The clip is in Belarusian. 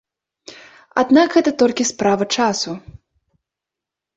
Аднак гэта толькі справа часу.